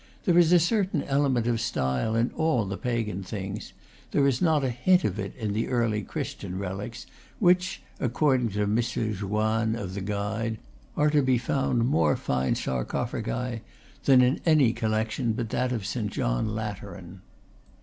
There is a certain element of style in all the pagan things; there is not a hint of it in the early Christian relics, among which, according to M. Joanne, of the Guide, are to be found more fine sarcophagi than in any collection but that of St. John Lateran.